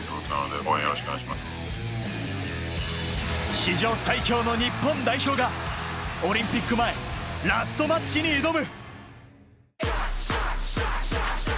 史上最強の日本代表がオリンピック前、ラストマッチに挑む。